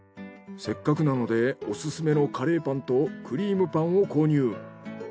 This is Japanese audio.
せっかくなのでオススメのカレーパンとクリームパンを購入。